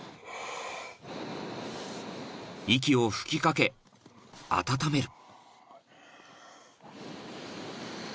［息を吹き掛け温める］